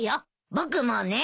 僕もね。